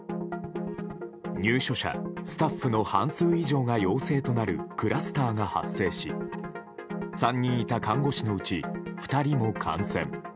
入所者、スタッフの半数以上が陽性となるクラスターが発生し３人いた看護師のうち２人も感染。